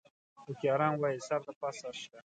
هوښیاران وایي: سر د پاسه سر شته.